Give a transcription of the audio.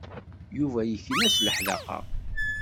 Yuba yekna s leḥdaqa.